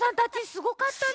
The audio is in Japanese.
すごかったよ。